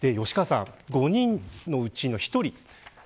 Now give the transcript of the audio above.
５人のうちの１人。